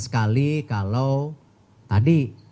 sekali kalau tadi